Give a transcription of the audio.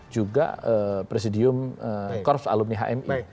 juga presidium korps alumni hmi